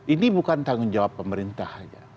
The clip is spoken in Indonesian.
ini bukan tanggung jawab pemerintah saja